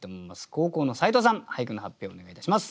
後攻の斉藤さん俳句の発表をお願いいたします。